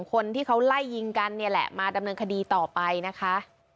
คนที่เขาไล่ยิงกันเนี่ยแหละมาดำเนินคดีต่อไปนะคะ